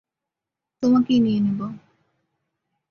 তোমাকেই নিয়ে নেবো।